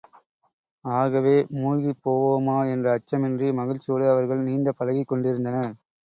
ஆகவே, மூழ்கிப் போவோமோ என்ற அச்சமின்றி மகிழ்ச்சியோடு அவர்கள் நீந்தப் பழகிக் கொண்டிருந்தனர்.